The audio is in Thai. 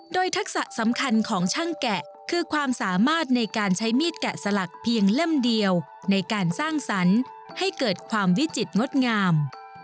โดยทักษะสำคัญของช่างแกะคือความสามารถในการใช้มีดแกะสลักเพียงเล่มเดียวในการสร้างสรรค์ให้เกิดความวิจิตรงดงาม